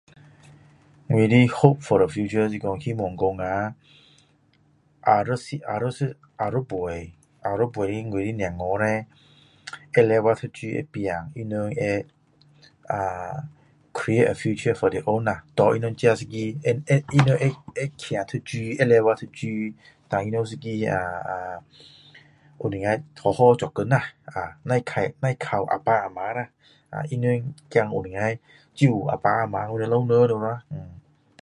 我的hope for the future是说希望讲啊下一下一下一辈下一辈我的孩子叻会努力读书会拼他们会啊create a future for the own啦给他们一个会会他他们会棒读书会努力读书还有一个啊有能够好好做工啦不用不用靠阿爸阿妈啦他们孩子会能够照顾阿爸阿妈我们老人了咯呃